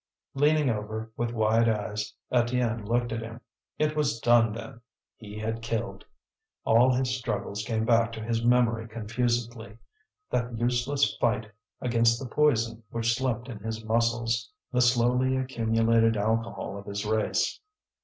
Leaning over, with wide eyes, Étienne looked at him. It was done, then; he had killed. All his struggles came back to his memory confusedly, that useless fight against the poison which slept in his muscles, the slowly accumulated alcohol of his race.